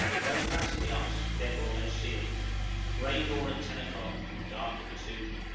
No cracks in the ice, therefore no seals. Grey dawn at ten o'clock, and dark at two.